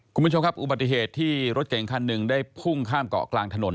คุณผู้ชมครับอุบัติเหตุที่รถเก่งคันหนึ่งได้พุ่งข้ามเกาะกลางถนน